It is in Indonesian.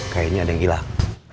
kayaknya ada yang hilang